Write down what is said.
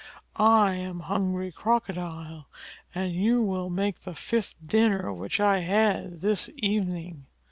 I am Hungry Crocodile, and you will make the fifth dinner which I have had this evening."